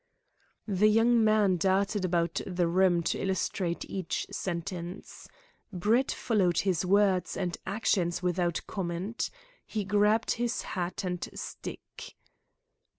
The young man darted about the room to illustrate each sentence. Brett followed his words and actions without comment. He grabbed his hat and stick.